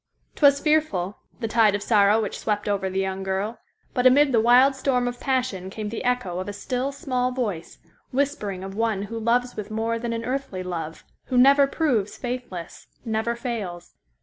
'Twas fearful—the tide of sorrow which swept over the young girl, but amid the wild storm of passion came the echo of a still, small voice, whispering of one who loves with more than an earthly love, who never proves faithless—never fails.